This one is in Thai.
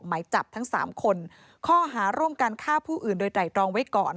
หมายจับทั้ง๓คนข้อหาร่วมกันฆ่าผู้อื่นโดยไตรตรองไว้ก่อน